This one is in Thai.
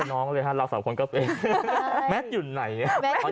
ให้น้องไปส่องกระจกเอง